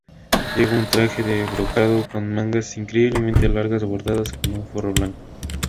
Lleva un traje de brocado, con mangas increíblemente largas, bordadas con un forro blanco.